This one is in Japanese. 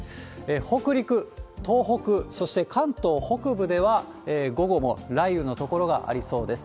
北陸、東北、そして関東北部では、午後も雷雨の所がありそうです。